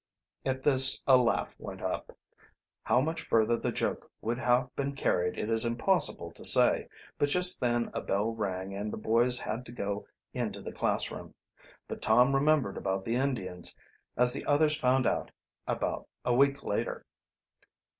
At this a laugh went up. How much further the joke would have been carried it is impossible to say, but just then a bell rang and the boys had to go into the classroom. But Tom remembered about the Indians, as the others found out about a week later.